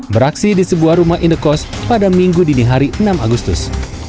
beraksi di sebuah rumah indekos pada minggu dini hari enam agustus